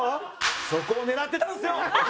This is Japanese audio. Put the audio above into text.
そこを狙ってたんですよ！